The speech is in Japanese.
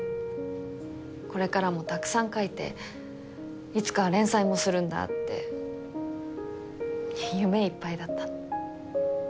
これからもたくさん描いていつか連載もするんだって夢いっぱいだった。